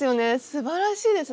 すばらしいですね。